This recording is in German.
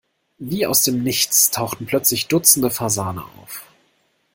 Wie aus dem Nichts tauchten plötzlich dutzende Fasane auf.